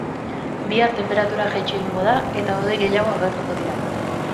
Bihar tenperatura jaitsi egingo da eta hodei gehiago agertuko dira.